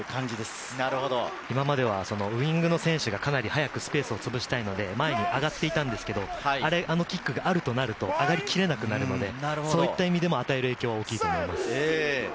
ウイングの選手がかなり早くスペースをつぶしたいので、前に上がっていたんですけれど、あのキックがあるとなると上がりきれなくなるので、そういった意味でも与える影響は大きくなると思います。